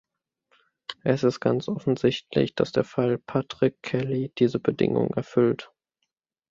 Es ist ganz offensichtlich, dass der Fall Patrick Kelly diese Bedingung erfüllt.